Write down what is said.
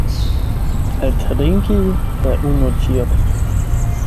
Eltrinki per unu tiro.